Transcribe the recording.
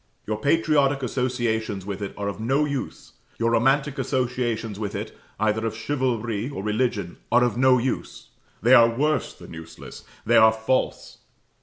Your patriotic associations with it are of no use; your romantic associations with it either of chivalry or religion are of no use; they are worse than useless, they are false.